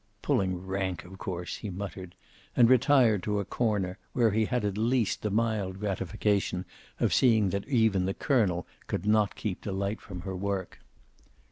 "Pulling rank, of course!" he muttered, and retired to a corner, where he had at least the mild gratification of seeing that even the colonel could not keep Delight from her work.